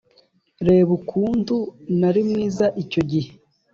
reba ukuntu nari mwiza icyo gihe -